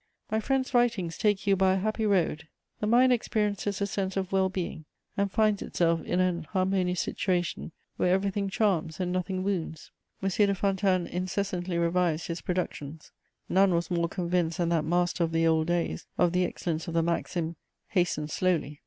[Sidenote: And other literary friends.] My friend's writings take you by a happy road: the mind experiences a sense of well being, and finds itself in an harmonious situation where everything charms and nothing wounds. M. de Fontanes incessantly revised his productions; none was more convinced than that master of the old days of the excellence of the maxim, "Hasten slowly."